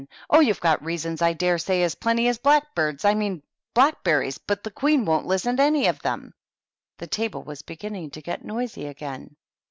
" Oh, you've got reasonSy I dare say, as plenty as blackbirds, — I mean blackberries, — ^but the Queen won't listen to any of 'em." The table was beginning to get noisy again.